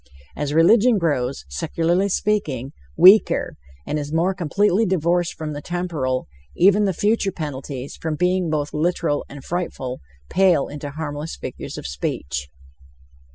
As religion grows, secularly speaking, weaker, and is more completely divorced from the temporal, even the future penalties, from being both literal and frightful, pale into harmless figures of speech.